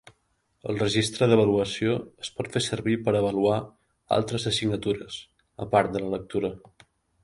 El registre d'avaluació es pot fer servir per avaluar altres assignatures, a part de la lectura.